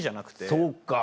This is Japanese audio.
そうか。